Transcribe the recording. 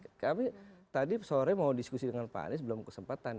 kami tadi sore mau diskusi dengan pak anies belum kesempatan